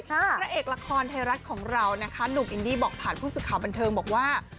พระเอกละครไทยรัฐของเรานะคะหนุ่มอินดี้บอกผ่านผู้สื่อข่าวบันเทิงบอกว่า